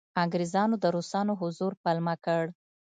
انګریزانو د روسانو حضور پلمه کړ.